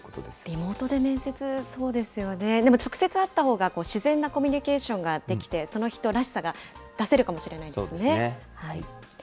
リモートで面接、そうですよね、でも直接会ったほうが、自然なコミュニケーションができて、その人らしさが出せるかもしそうですね。